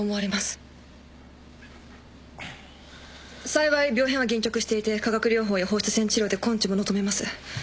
幸い病変は限局していて化学療法や放射線治療で根治も望めます。